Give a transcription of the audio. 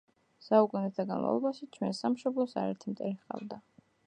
საუკუნეთა განმავლობაში ჩვენ სამშობლოს არაერთი მტერი ჰყავდა